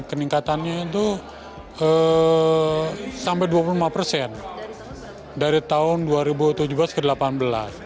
peningkatannya itu sampai dua puluh lima persen dari tahun dua ribu tujuh belas ke delapan belas